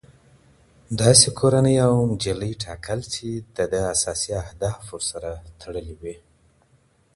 داسي کورنۍ او نجلۍ ټاکل، چي د ده اساسي اهداف ورسره تړلي وي